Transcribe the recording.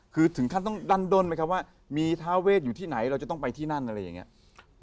คือถึงขั้นต้องดั้นด้นไหมครับว่ามีทาเวทอยู่ที่ไหนเราจะต้องไปที่นั่นอะไรอย่างนี้